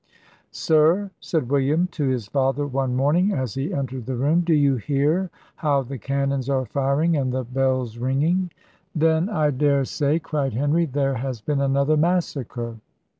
"Sir," said William to his father one morning, as he entered the room, "do you hear how the cannons are firing, and the bells ringing?" "Then I dare say," cried Henry, "there has been another massacre."